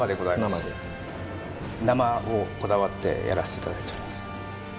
生で生をこだわってやらせていただいております